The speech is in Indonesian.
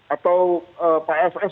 atau pak ss